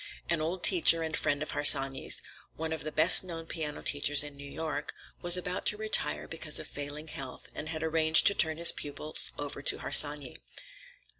An old teacher and friend of Harsanyi's, one of the best known piano teachers in New York, was about to retire because of failing health and had arranged to turn his pupils over to Harsanyi.